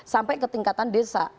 sampai ketingkatan desa